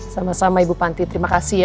sama sama ibu panti terima kasih ya